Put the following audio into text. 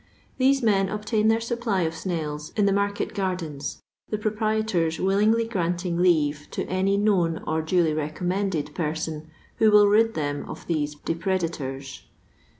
Thsis men obtain their supply of snails in the markel gardens, the proprietors willingly gimnting leave te any known or duly recommended person who will rid them of these depredators.